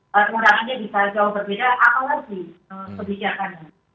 kemudahannya bisa jauh berbeda apalagi kebijakannya